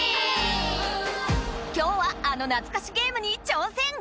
今日はあのなつかしゲームに挑戦！